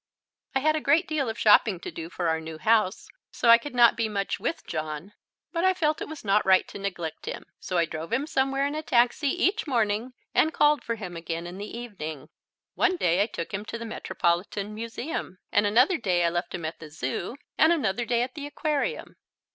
I had a great deal of shopping to do for our new house, so I could not be much with John, but I felt it was not right to neglect him, so I drove him somewhere in a taxi each morning and called for him again in the evening. One day I took him to the Metropolitan Museum, and another day I left him at the Zoo, and another day at the aquarium.